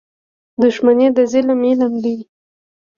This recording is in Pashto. • دښمني د ظالم عمل دی.